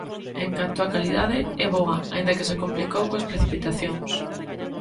En canto á calidade, é "boa", aínda que "se complicou coas precipitacións".